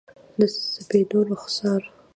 د سپېدو رخسار،